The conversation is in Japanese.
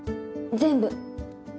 全部。